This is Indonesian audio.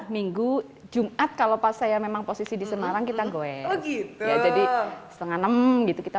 minggu jumat kalau pas saya memang posisi di semarang kita goes ya jadi setengah enam gitu kita